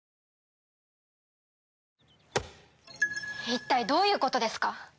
一体どういうことですか？